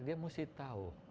dia mesti tahu